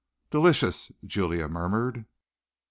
"Delicious!" Julia murmured.